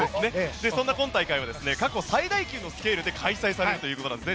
そんな今大会は過去最大級のスケールで開催されるということです。